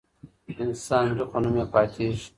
انسان مري خو نوم يې پاتيږي.